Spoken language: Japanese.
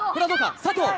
佐藤。